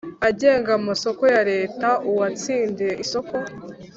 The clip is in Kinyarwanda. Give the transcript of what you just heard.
agenga amasoko ya Leta uwatsindiye isoko